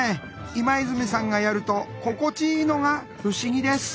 今泉さんがやると心地いいのが不思議です。